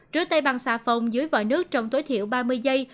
rửa tay bằng xà phòng dưới vòi nước trong tối thiểu ba mươi giây